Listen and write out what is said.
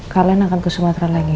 kalian akan ke sumatera lagi